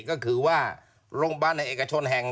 ก็คือว่าโรงพยาบาลในเอกชนแห่ง